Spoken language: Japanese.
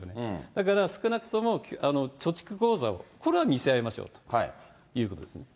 だから少なくとも貯蓄口座を、これは見せ合いましょうということですね。